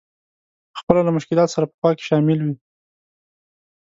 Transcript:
په خپله له مشکلاتو سره په خوا کې شامل وي.